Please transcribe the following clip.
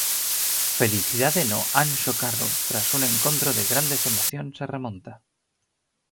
Felicidade no Anxo Carro tras un encontro de grandes emocións e remonta.